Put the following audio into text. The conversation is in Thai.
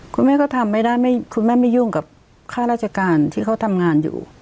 คุณแม่ก็ทำไม่ได้คุณแม่ไม่ยุ่งกับค่าราชการที่เขาทำงานอยู่